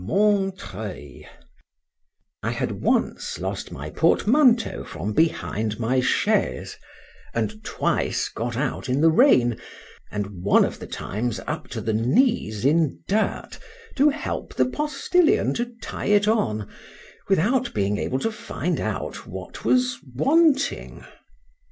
MONTREUIL. I HAD once lost my portmanteau from behind my chaise, and twice got out in the rain, and one of the times up to the knees in dirt, to help the postilion to tie it on, without being able to find out what was wanting.